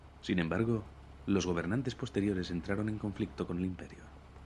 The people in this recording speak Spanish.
Sin embargo, los gobernantes posteriores entraron en conflicto con el Imperio.